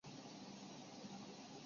圣茹安德布拉武。